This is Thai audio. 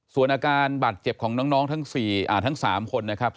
ส่วนอาการบาดเจ็บของน้องทั้ง๓คนนะครับ